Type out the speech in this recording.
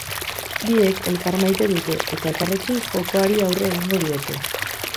Biek elkar maite dute eta elkarrekin jokoari aurre egingo diote.